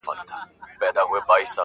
هم سلوک هم یې رفتار د ملکې وو،